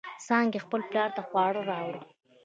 څانگې خپل پلار ته خواړه راوړل.